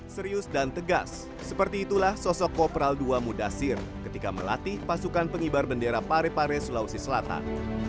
serius dan tegas seperti itulah sosok kopral ii mudasir ketika melatih pasukan pengibar bendera pare pare sulawesi selatan